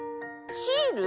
シール？